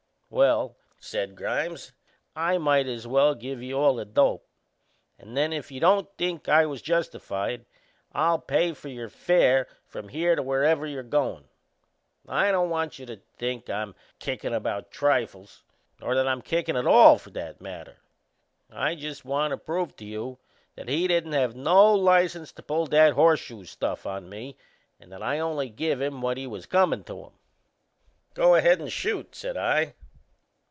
"Well," said Grimes, "I might as well give you all the dope; and then if you don't think I was justified I'll pay your fare from here to wherever you're goin'. I don't want you to think I'm kickin' about trifles or that I'm kickin' at all, for that matter. I just want to prove to you that he didn't have no license to pull that Horseshoes stuff on me and that I only give him what was comin' to him." "Go ahead and shoot," said I.